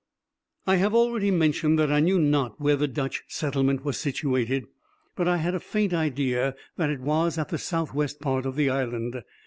I have already mentioned that I knew not where the Dutch settlement was situated, but I had a faint idea that it was at the south west part of the island.